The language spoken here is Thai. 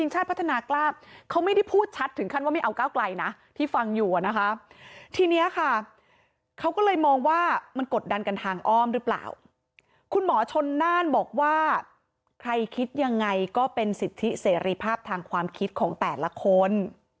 คุณหมอชนน่านบอกว่าใครคิดยังไงก็เป็นสิทธิเสรีภาพทางความคิดของแต่ละคน